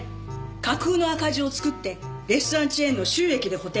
架空の赤字を作ってレストランチェーンの収益で補填。